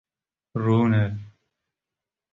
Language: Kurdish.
Rûne.